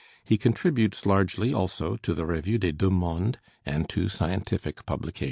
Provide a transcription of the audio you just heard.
He contributes largely, also, to the Revue des Deux Mondes and to scientific publications.